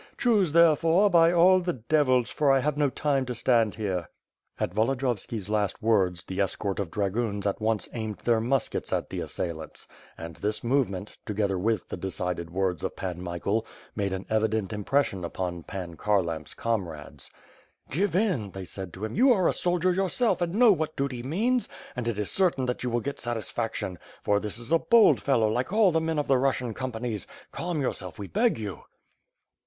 Choose, therefore, by all the devils; for I have no time to stand here!" At Volodiyovski's last words, the escort of dragoons at once aimed their muskets at the assailants; and this movement, together with the decided words of Pan Michael, made an evident impression upon Pan Kharlamp's comrades. "Give in," they said to him, "you are a soldier yourself and know what duty means, and it is certain that you will get sat isfaction; for this is a bold fellow like all the men of the Rus sian companies. Calm yourself, we beg you."